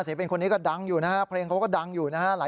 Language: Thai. เป็นคนคนนี้ก็ดังอยู่นะฮะเพลงเขาก็ดังอยู่นะฮะ